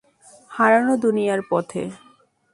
হারানো দুনিয়ার পথে!